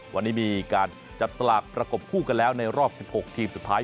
วันนี้มีการจับสลากประกบคู่กันแล้วในรอบ๑๖ทีมสุดท้าย